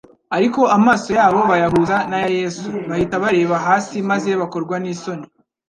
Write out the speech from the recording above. Ariko amaso yabo bayahuza n'aya yesu, bahita bareba hasi maze bakorwa n'isoni.